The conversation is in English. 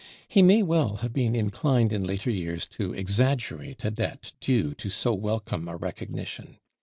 He may well have been inclined in later years to exaggerate a debt due to so welcome a recognition.